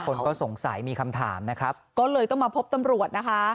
คนก็สงสัยมีคำถามนะครับก็เลยต้องมาพบตำรวจนะคะ